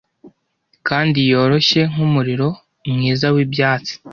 kandi yoroshye nkumuriro mwiza wibyatsi